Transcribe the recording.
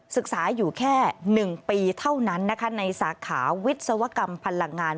ศึกษาอยู่แค่๑ปีเท่านั้นนะคะในสาขาวิศวกรรมพลังงาน